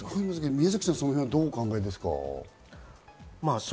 宮崎さんはその辺、どうお考えですか？